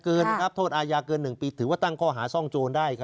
เกินครับโทษอาญาเกินหนึ่งปีถือว่าตั้งข้อหาซ่องโจรได้ครับ